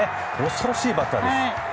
恐ろしいバッターです。